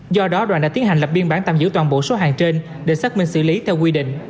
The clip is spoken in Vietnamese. do đó đoàn đã tiến hành lập biên bản tạm giữ toàn bộ số hàng trên để xác minh xử lý theo quy định